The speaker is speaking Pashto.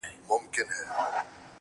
د سترگو کسي چي دي سره په دې لوگيو نه سي.